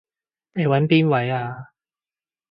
你搵邊位啊？